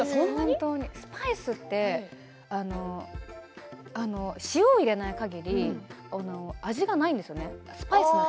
スパイスは塩を入れないかぎり味がないんですよ。